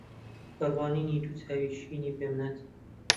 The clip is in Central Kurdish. بە ڕوانینی دوو چاوی شینی بێ بنت